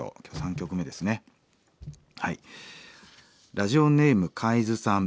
ラジオネームカイズさん。